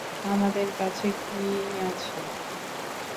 আমাদের কাছে কি আছে?